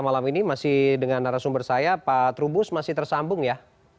malam ini masih dengan narasumber saya pak trubus masih tersambung ya